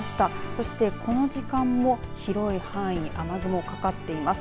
そして、この時間も広い範囲に雨雲かかっています。